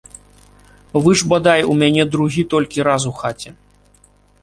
Вы ж, бадай, у мяне другі толькі раз у хаце.